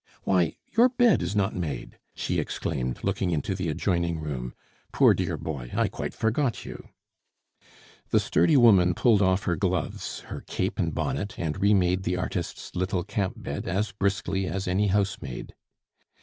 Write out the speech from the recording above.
"Why, your bed is not made!" she exclaimed, looking into the adjoining room. "Poor dear boy, I quite forgot you!" The sturdy woman pulled off her gloves, her cape and bonnet, and remade the artist's little camp bed as briskly as any housemaid.